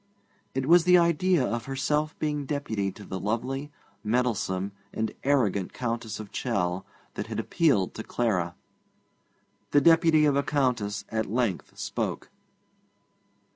It was the idea of herself being deputy to the lovely, meddlesome, and arrogant Countess of Chell that had appealed to Clara. The deputy of a Countess at length spoke.